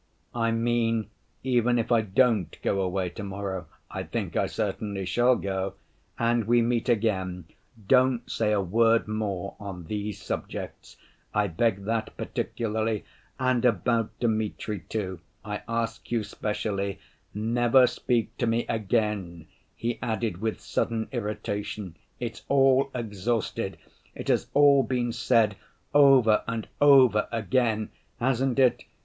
I mean even if I don't go away to‐morrow (I think I certainly shall go) and we meet again, don't say a word more on these subjects. I beg that particularly. And about Dmitri too, I ask you specially, never speak to me again," he added, with sudden irritation; "it's all exhausted, it has all been said over and over again, hasn't it?